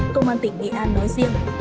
công an tỉnh nghệ an nói riêng